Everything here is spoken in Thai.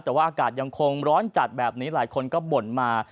แต่ว่าอากาศยังคงร้อนจัดแบบนี้หลายคนก็บ่นมา